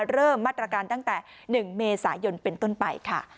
เริ่มมาตรการตั้งแต่๑เมษายนเป็นต้นไปค่ะ